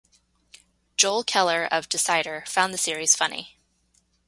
Joel Keller of "Decider" found the series funny.